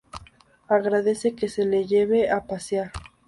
Agradece que se le lleve a pasear.